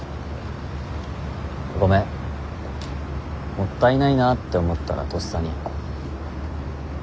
もったいないなって思ったらとっさに。